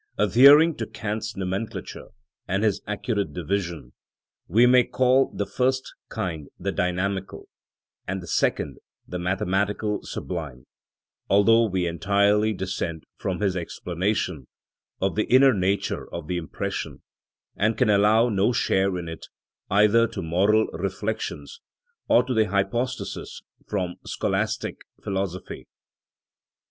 Adhering to Kant's nomenclature and his accurate division, we may call the first kind the dynamical, and the second the mathematical sublime, although we entirely dissent from his explanation of the inner nature of the impression, and can allow no share in it either to moral reflections, or to hypostases from scholastic philosophy.